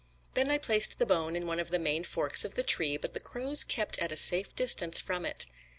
Then I placed the bone in one of the main forks of the tree, but the crows kept at a safe distance from it.